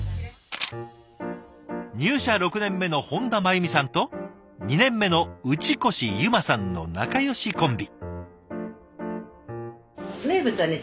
入社６年目の本多真由美さんと２年目の打越由麻さんの仲よしコンビ。